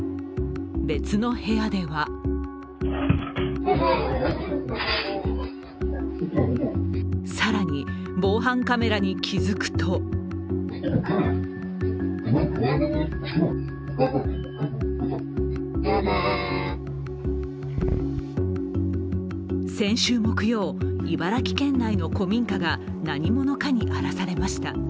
別の部屋では更に防犯カメラに気付くと先週木曜、茨城県内の古民家が何者かに荒らされました。